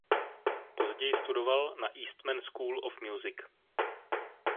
Později studoval na Eastman School of Music.